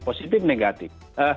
positif dan negatif